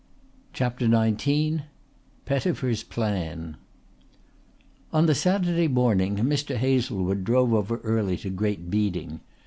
CHAPTER XIX PETTIFER'S PLAN On the Saturday morning Mr. Hazlewood drove over early to Great Beeding.